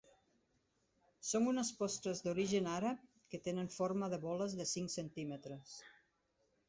Són unes postres d'origen àrab que tenen forma de boles de cinc centímetres.